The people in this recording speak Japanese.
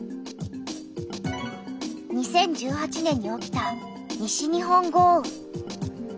２０１８年に起きた西日本豪雨。